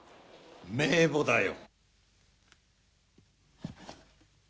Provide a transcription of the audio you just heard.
名簿だよ。